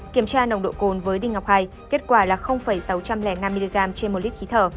kiểm tra nồng độ cồn với đinh ngọc hải kết quả là sáu trăm linh năm mg trên một lít khí thở